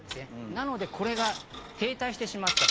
なのでこれが停滞してしまった。